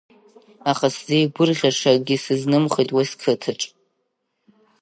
Аха сзеигәырӷьаша акгьы сызнымхеит уи сқыҭаҿы.